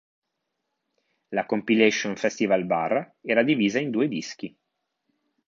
La compilation Festivalbar era divisa in due dischi.